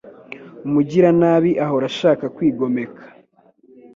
Umugiranabi ahora ashaka kwigomeka